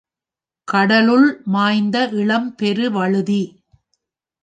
கடலுள் மாய்ந்த இளம்பெருவழுதி.